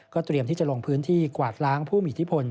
เตรียมที่จะลงพื้นที่กวาดล้างผู้มีอิทธิพล